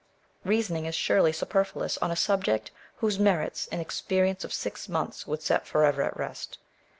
Reasoning is surely superfluous on a subject whose merits an experience of six months would set for ever at rest.